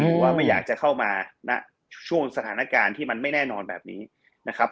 ว่าไม่อยากจะเข้ามาณช่วงสถานการณ์ที่มันไม่แน่นอนแบบนี้นะครับ